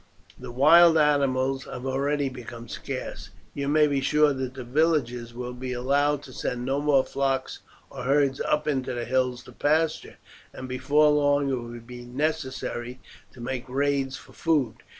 The wild animals have already become scarce. You may be sure that the villagers will be allowed to send no more flocks or herds up the hills to pasture, and before long it will be necessary to make raids for food.